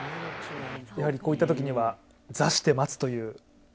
こういったときには座して待つという？